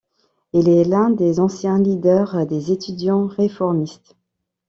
Il est l'un des anciens leaders des étudiants réformistes.